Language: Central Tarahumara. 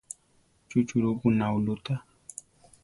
¿Chu churúpo naulú tá?